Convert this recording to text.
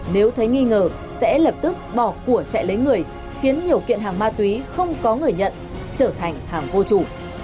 nếu thấy nghi ngờ sẽ lập tức bỏ của chạy lấy người khiến nhiều kiện hàng ma túy không có người nhận trở thành hàng vô chủ